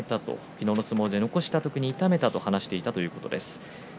昨日の相撲で残した時に痛めたと話しているということです。